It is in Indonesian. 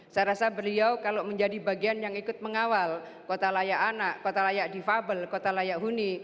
saya rasa beliau kalau menjadi bagian yang ikut mengawal kota layak anak kota layak difabel kota layak huni